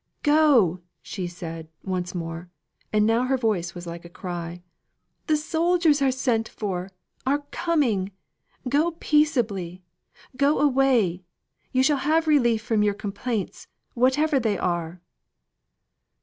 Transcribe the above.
"Go!" said she, once more (and now her voice was like a cry). "The soldiers are sent for are coming. Go peaceably. Go away. You shall have relief from your complaints, whatever they are."